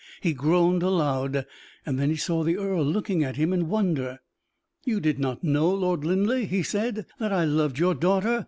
He groaned aloud, then saw the earl looking at him in wonder. "You did not know, Lord Linleigh," he said, "that I loved your daughter.